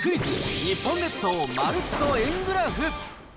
日本列島まるっと円グラフ。